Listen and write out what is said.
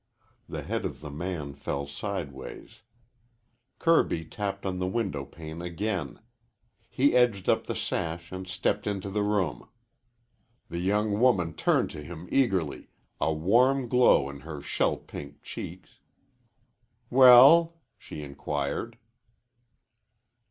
The head of the man fell sideways. Kirby tapped on the window pane again. He edged up the sash and stepped into the room. The young woman turned to him eagerly, a warm glow in her shell pink cheeks. "Well?" she inquired.